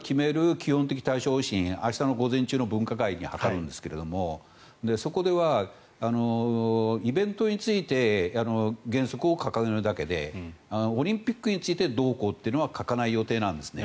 基本的対処方針明日の午前中の分科会に諮るんですけれどもそこではイベントについて原則を掲げるだけでオリンピックについてどうこうというのは書かない予定なんですね。